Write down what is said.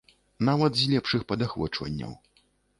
Нават з лепшых падахвочванняў.